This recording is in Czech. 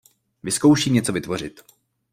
Vyzkouším něco vytvořit.